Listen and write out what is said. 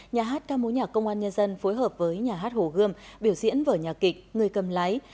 nhà hát ca mối nhạc công an nhân dân phối hợp với nhà hát hồ gươm biểu diễn vở nhà kịch người cầm lái